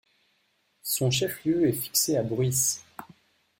Son chef-lieu est fixé à Bruis.